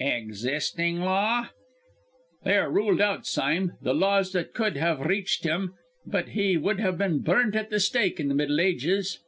"Existing law?" "They are ruled out, Sime, the laws that could have reached him; but he would have been burnt at the stake in the Middle Ages!"